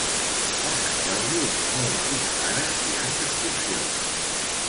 Per Sant Jordi en Sol i na Lara iran d'excursió.